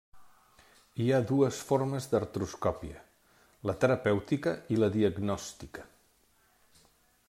Hi ha dues formes d'artroscòpia: la terapèutica i la diagnòstica.